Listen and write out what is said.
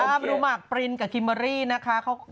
อ้าวดูมาร์คปรินกับคิมเบอร์รี่นะคะ